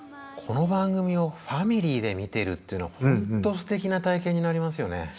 この番組をファミリーで見てるっていうのは本当すてきな体験になりますよね。